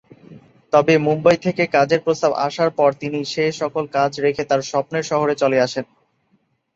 তবে মুম্বই থেকে কাজের প্রস্তাব আসার পর তিনি সে সকল কাজ রেখে তাঁর স্বপ্নের শহরে চলে আসেন।